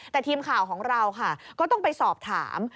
แต่ทีมข่าวของเราค่ะก็ต้องไปสอบถาม